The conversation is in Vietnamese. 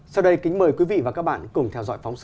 sau đây kính mời quý vị và các bạn cùng theo dõi phóng sự